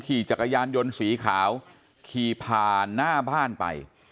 ขี่จักรยานยนต์สีขาวขี่ผ่านหน้าบ้านไป